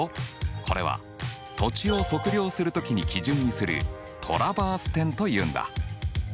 これは土地を測量する時に基準にするトラバース点というんだ。